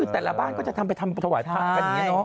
แต่ละบ้านจะทำไปทวายทาง